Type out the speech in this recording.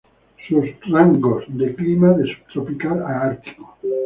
Sus rangos de clima de subtropical a ártico.